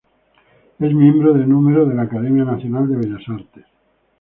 Es miembro de número de la Academia Nacional de Bellas Artes.